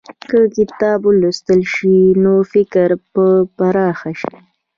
که کتاب ولوستل شي، نو فکر به پراخ شي.